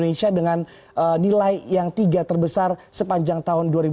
nilai yang tiga terbesar sepanjang tahun dua ribu enam belas